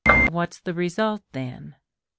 What's the result then ?